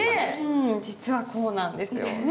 実はこうなんですよ。